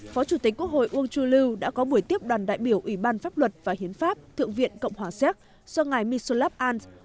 phó chủ tịch quốc hội uông chu lưu đã có buổi tiếp đoàn đại biểu ủy ban pháp luật và hiến pháp thượng viện cộng hòa séc do ngài misolaf al